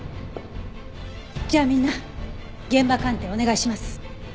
じゃあみんな現場鑑定お願いします。